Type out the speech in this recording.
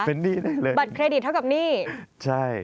เป็นหนี้เหรอคะบัตรเครดิตเท่ากับหนี้